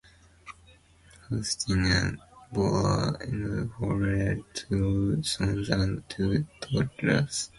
Faustina bore Antoninus four children, two sons and two daughters.